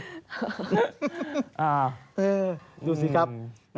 อ่าดูสิครับ